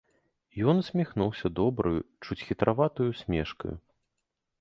І ён усміхнуўся добраю, чуць хітраватаю ўсмешкаю.